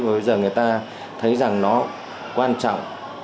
bây giờ người ta thấy rằng nó quan trọng